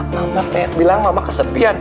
mama pengen bilang mama kesepian